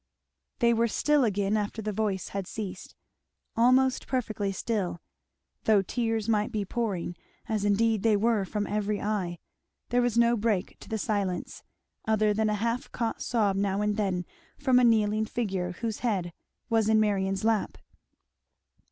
They were still again after the voice had ceased; almost perfectly still; though tears might be pouring, as indeed they were from every eye, there was no break to the silence, other than a half caught sob now and then from a kneeling figure whose head was in Marion's lap.